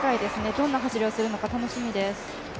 どんな走りをするのか楽しみです。